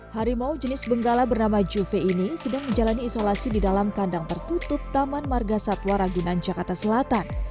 harimau jenis benggala bernama juve ini sedang menjalani isolasi di dalam kandang tertutup taman marga satwa ragunan jakarta selatan